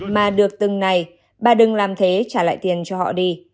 năm mươi mà được từng này bà đừng làm thế trả lại tiền cho họ đi